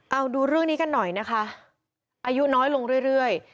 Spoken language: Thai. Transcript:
เอาดูเรื่องนี้กันหน่อยนะคะอายุน้อยลงเรื่อย